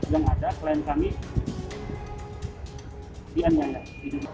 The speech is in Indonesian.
yang ada klien kami dianyakan